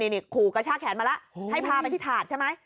นี่ขู่กระชากแขนมาแล้วให้พาไปที่ถาดใช่ไหม